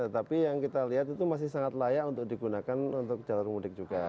tapi yang kita lihat itu masih sangat layak untuk digunakan untuk jalur mudik juga